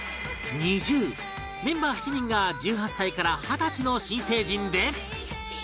メンバー７人が１８歳から二十歳の新成人で